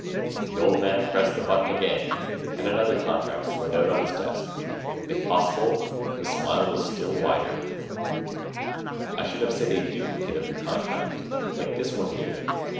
The Old Man pressed the button again and another contract slid out on his desk. If possible, the smile was still wider now. "I should have said a duplicate of your contract like this one here."